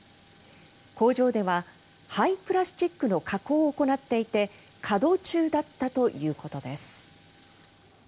工場では廃プラスチックの加工を行っていて稼働中だったということです。